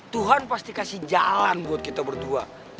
tuhan pasti kasih jalan buat kita berdua